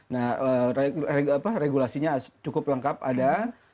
nah regulasinya cukup lengkap ada